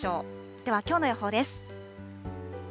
ではきょうの予報です。